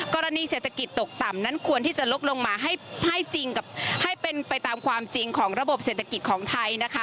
กรณีเศรษฐกิจตกต่ำนั้นควรที่จะลดลงมาให้จริงให้เป็นไปตามความจริงของระบบเศรษฐกิจของไทยนะคะ